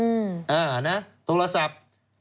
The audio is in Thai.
อ่านะโทรศัพท์